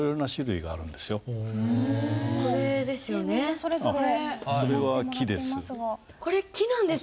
それは木です。